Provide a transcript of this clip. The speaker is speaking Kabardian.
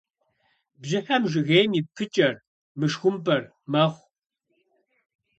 Бжьыхьэм жыгейм и пыкӏэр, мышхумпӏэр, мэхъу.